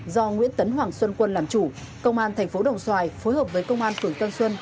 do nguyễn tấn hoàng xuân quân làm chủ công an thành phố đồng xoài phối hợp với công an phường tân xuân